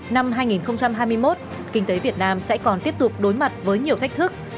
năm hai nghìn hai mươi một kinh tế việt nam sẽ còn tiếp tục đối mặt với nhiều thách thức